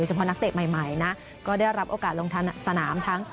เฉพาะนักเตะใหม่นะก็ได้รับโอกาสลงทันสนามทั้ง